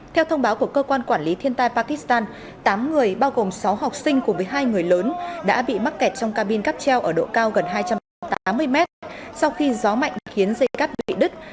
theo thông báo của cơ quan quản lý thiên tai pakistan tám người bao gồm sáu học sinh cùng với hai người lớn đã bị mắc kẹt trong cabin cắp treo ở độ cao gần hai trăm tám mươi mét sau khi gió mạnh khiến dây cắp bị đứt